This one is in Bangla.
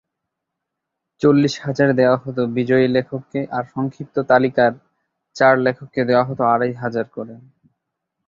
চল্লিশ হাজার দেওয়া হতো বিজয়ী লেখককে আর সংক্ষিপ্ত তালিকার চার লেখককে দেওয়া হতো আড়াই হাজার করে।